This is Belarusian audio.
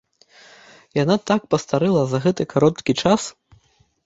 Яна так пастарэла за гэты кароткі час!